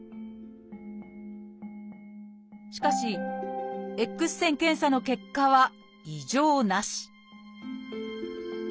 しかしＸ線検査の結果は「異常なし」